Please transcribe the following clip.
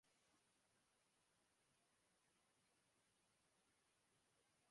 Es la capital de la provincia.